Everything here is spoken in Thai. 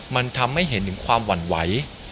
มันทำให้เห็นถึงความหวั่นไหว